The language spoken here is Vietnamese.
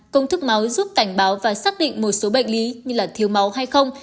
công thức máu giúp cảnh báo và xác định một số bệnh lý như thiếu máu hay không